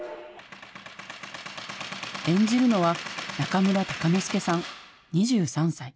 演じるのは、中村鷹之資さん２３歳。